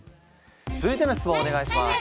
続いての質問お願いします。